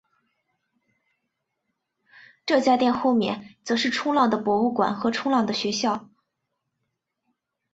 这家店的后面则是冲浪的博物馆和冲浪学校。